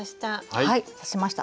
はい刺しました。